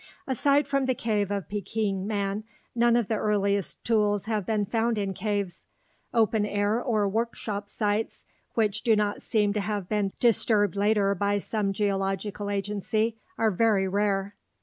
Aside from the cave of Peking man, none of the earliest tools have been found in caves. Open air or "workshop" sites which do not seem to have been disturbed later by some geological agency are very rare.